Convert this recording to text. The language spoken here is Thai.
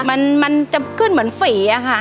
มันมันจะขึ้นเหมือนฝีอะฮะ